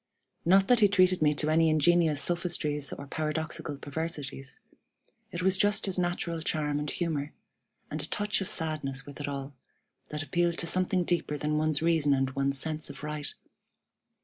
Not that he treated me to any ingenious sophistries or paradoxical perversities. It was just his natural charm and humor, and a touch of sadness with it all, that appealed to something deeper than one's reason and one's sense of right.